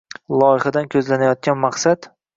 Loyihadan ko‘zlanayotgan maqsad